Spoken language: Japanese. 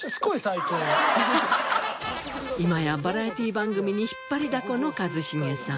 今やバラエティー番組に引っ張りだこの一茂さん。